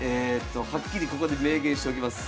はっきりここで明言しときます。